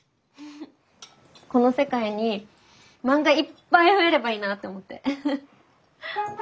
この世界に漫画いっぱい増えればいいなって思って。